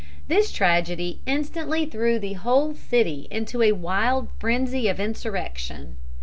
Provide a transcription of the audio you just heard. This tragedy instantly threw the whole city into a wild frenzy of insurrection.